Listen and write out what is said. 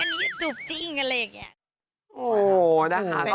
อันนี้จูบจริงอะไรอย่างนี้